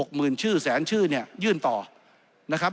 หมื่นชื่อแสนชื่อเนี่ยยื่นต่อนะครับ